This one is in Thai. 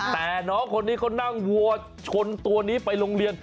แต่น้องคนนี้เขานั่งวัวชนตัวนี้ไปโรงเรียน